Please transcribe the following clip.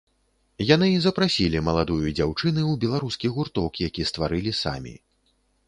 Яны і запрасілі маладую дзяўчыны ў беларускі гурток, які стварылі самі.